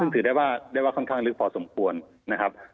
ซึ่งถือได้ว่าค่อนข้างลึกพอสมควรนะครับ